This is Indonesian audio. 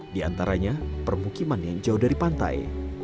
di antaranya permukiman yang jauh dari pantai